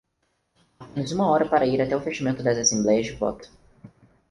Há apenas uma hora para ir até o fechamento das assembleias de voto.